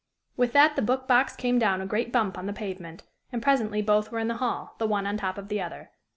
With that the book box came down a great bump on the pavement, and presently both were in the hall, the one on the top of the other.